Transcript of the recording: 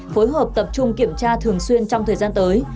phối hợp tập trung kiểm tra thường xuyên trong thời gian tới